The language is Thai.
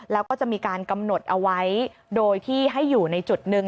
แล้วก็จะมีการกำหนดเอาไว้โดยที่ให้อยู่ในจุดหนึ่ง